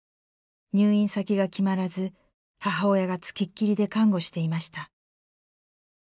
入院先が決まらず母親がつきっきりで看護していました。